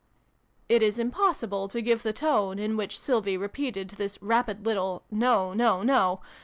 1 ' (It is impossible to give the tone in which Sylvie repeated this rapid little ' No no no